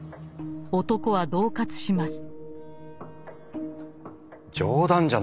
男は恫喝します。